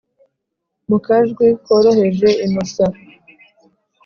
mukajwi koroheje innocent